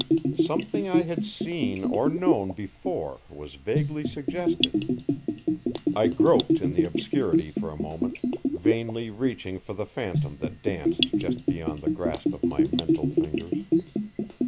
Something I had seen or known before was vaguely suggested. I groped in the obscurity for a moment, vainly reaching for the phantom that danced just beyond the grasp of my mental fingers.